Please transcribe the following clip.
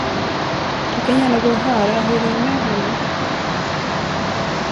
Du kan gärna gå och höra, hur det är med honom.